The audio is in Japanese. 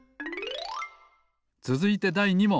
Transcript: つづいてだい２もん！